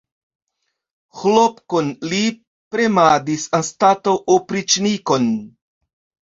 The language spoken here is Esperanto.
Ĥlopkon li premadis anstataŭ opriĉnikon!